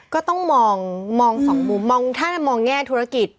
ก็ต้องมอง๒มุมถ้ามองแง่ธุรกิจ